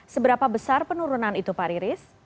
seberapa besar penurunan itu pak riris